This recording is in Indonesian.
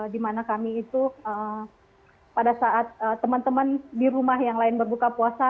di mana kami itu pada saat teman teman di rumah yang lain berbuka puasa